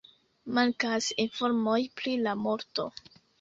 Mankas informoj pri la morto.